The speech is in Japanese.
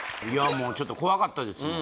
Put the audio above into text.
もうちょっと怖かったですよ